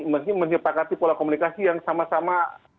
mesti menyepakati pola komunikasi yang sama sama